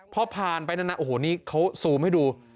พอผ่านไปนั้นโอ้โหนี่เขาซูมให้ดู